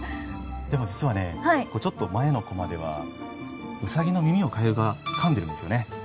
でも実はねちょっと前のコマでは兎の耳を蛙が噛んでるんですよね。